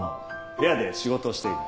部屋で仕事をしている。